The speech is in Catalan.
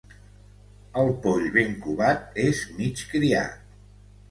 El poll ben covat és mig criat.